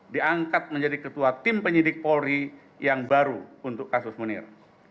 diangkat menjadi ketua tim penyidik polri yang baru untuk kasus munir